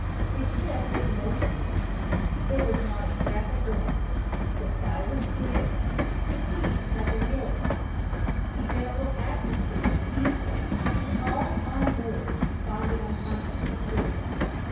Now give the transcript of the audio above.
The ship was motionless; there was not a breath of wind; the sky was clear; the sea like a mill pond the general "atmosphere" was peaceful, and all on board responded unconsciously to it.